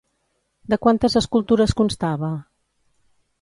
De quantes escultures constava?